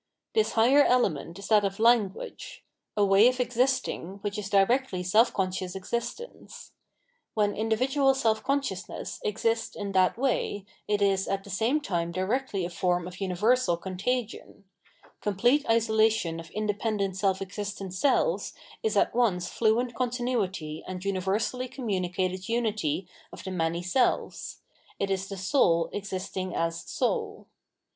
This higher element is that of Language — a way of existing which is directly self conscious existence. When individual self consciousness exists in that way, it is at the same time directly a form of universal contagion ; complete isolation of indepen dent self existent selves is at once fluent continuity and universally communicated unity of the many selves ; it is the soul existing as soul.